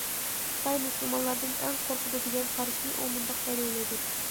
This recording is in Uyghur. خىتاي مۇسۇلمانلاردىن ئەڭ قورقىدۇ، دېگەن قارىشىنى ئۇ مۇنداق دەلىللىدى.